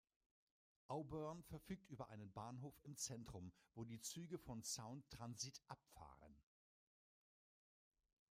Auburn verfügt über einen Bahnhof im Zentrum, wo die Züge von Sound Transit abfahren.